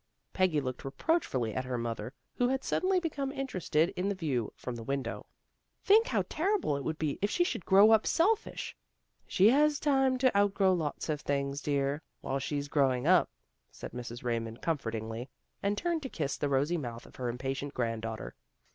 Peggy looked reproachfully at her mother who had suddenly become interested in the view from the window. " Think how terrible it would be if she should grow up selfish." " She has time to outgrow lots of things, dear, while she's growing up," said Mrs. Raymond comfortingly, and turned to kiss the rosy mouth of her impatient granddaughter.